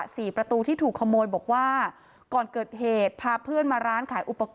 ศรีธรรมาราชค่ะ